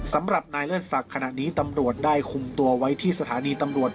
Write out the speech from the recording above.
สำหรับนายเลิศศักดิ์ขณะนี้ตำรวจได้คุมตัวไว้ที่สถานีตำรวจ